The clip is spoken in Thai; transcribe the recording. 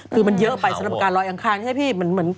คือมันเยอะไปสำหรับการลอยอังคารใช่ไหมพี่